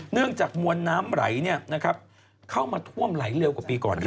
เนื่องจากมวลน้ำไหลเข้ามาท่วมไหลเร็วกว่าปีก่อน